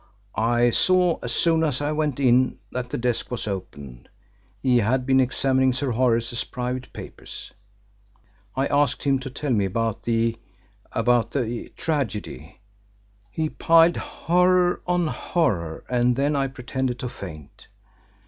I saw as soon as I went in that the desk was open he had been examining Sir Horace's private papers. I asked him to tell me about the about the tragedy. He piled horror on horror and then I pretended to faint.